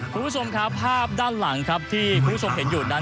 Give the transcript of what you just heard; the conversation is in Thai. คุณผู้ชมครับภาพด้านหลังครับที่คุณผู้ชมเห็นอยู่นั้น